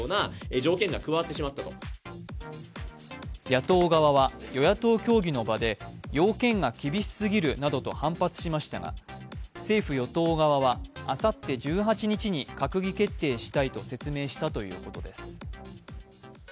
野党側は与野党協議の場で要件が厳しすぎるなどと反発しましたが政府・与党側はあさって１８日に閣議決定したいと説明したということです。